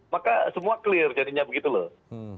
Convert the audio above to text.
maka semua clear jadinya begitu loh